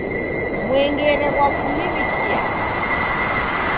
Mwengere ghwafumirikia.